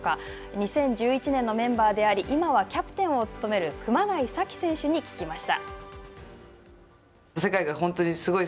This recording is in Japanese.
２０１１年のメンバーであり、今はキャプテンを務める熊谷紗希選手に聞きました。